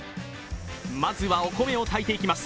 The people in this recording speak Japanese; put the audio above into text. まずはお米を炊いていきます。